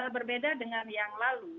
berbeda dengan yang lalu